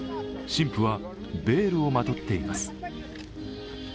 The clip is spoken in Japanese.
新婦はベールをまとっています。